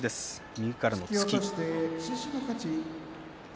右からの突き。